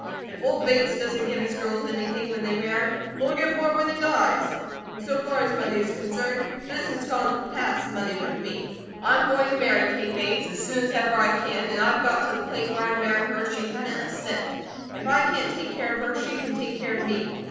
If old Bates doesn't give his girls anything when they marry, they'll get more when he dies. And so far as money is concerned, this has gone PAST money with me. I'm going to marry Kate Bates, as soon as ever I can, and I've got to the place where I'd marry her if she hadn't a cent. If I can't take care of her, she can take care of me.